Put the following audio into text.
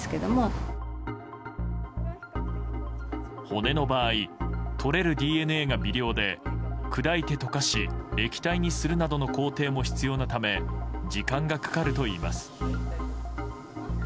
骨の場合とれるＤＮＡが微量で砕いて溶かし、液体にするなどの工程も必要なため時間がかかるといいます。